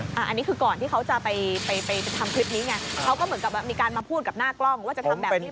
อันนี้คือก่อนที่เขาจะไปไปทำคลิปนี้ไงเขาก็เหมือนกับมีการมาพูดกับหน้ากล้องว่าจะทำแบบนี้